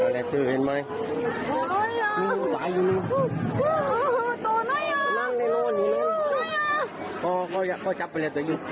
เหรอ